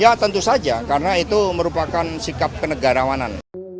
ya tentu saja karena itu merupakan sikap kenegarawanan